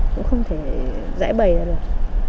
cũng không thể giải bày ra được